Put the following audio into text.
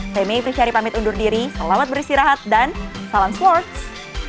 saya may fishari pamit undur diri selamat beristirahat dan salam sports